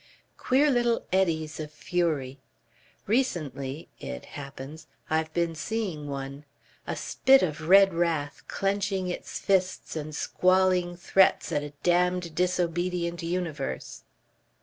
"Queer little eddies of fury.... Recently it happens I've been seeing one. A spit of red wrath, clenching its fists and squalling threats at a damned disobedient universe."